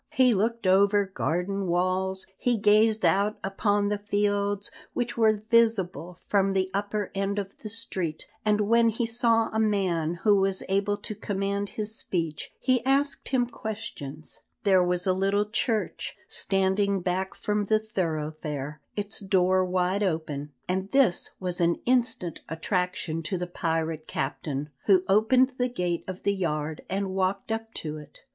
He looked over garden walls, he gazed out upon the fields which were visible from the upper end of the street, and when he saw a man who was able to command his speech he asked him questions. There was a little church, standing back from the thoroughfare, its door wide open, and this was an instant attraction to the pirate captain, who opened the gate of the yard and walked up to it.